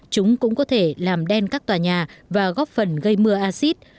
chúng cũng có thể làm đen các tòa nhà và góp phần gây mưa acid